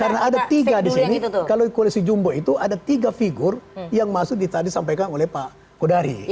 karena ada tiga di sini kalau koalisi jumbo itu ada tiga figur yang masuk di tadi sampaikan oleh pak kodari